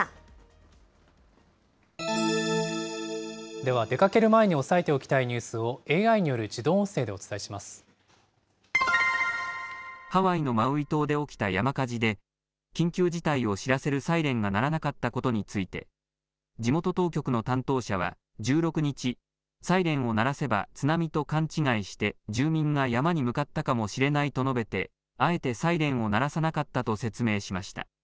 では、出かける前に押さえておきたいニュースをＡＩによる自動音声でおハワイのマウイ島で起きた山火事で、緊急事態を知らせるサイレンが鳴らなかったことについて、地元当局の担当者は１６日、サイレンを鳴らせば津波と勘違いして住民が山に向かったかもしれないと述べて、あえてサイレンを鳴らさなかったと説明しました。